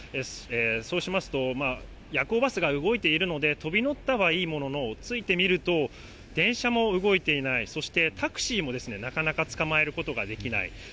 そうしますと、夜行バスが動いているので、飛び乗ったはいいものの、着いてみると、電車も動いていない、そしてタクシーもなかなかつかまえることができない。